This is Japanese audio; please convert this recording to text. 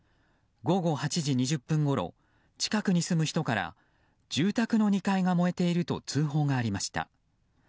午後８時２０分ごろ近くに住む人から住宅の２階が燃えていると通報がありました。